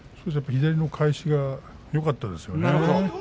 左の返しがよかったですね。